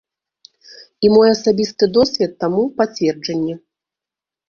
І мой асабісты досвед таму пацверджанне.